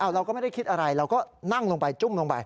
เราก็ไม่ได้คิดอะไรเราก็นั่งลงไปจุ้มลงไป